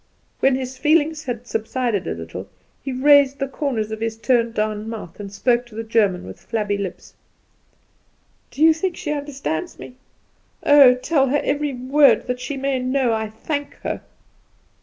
When his feelings had subsided a little he raised the corners of his turned down mouth, and spoke to the German with flabby lips. "Do you think she understands me? Oh, tell her every word, that she may know I thank her."